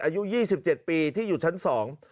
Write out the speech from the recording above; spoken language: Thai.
อายุ๒๗ปีที่อยู่ชั้นสอง